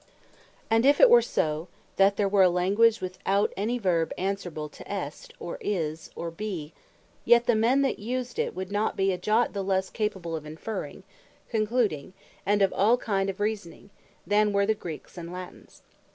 And if it were so, that there were a Language without any Verb answerable to Est, or Is, or Bee; yet the men that used it would bee not a jot the lesse capable of Inferring, Concluding, and of all kind of Reasoning, than were the Greeks, and Latines.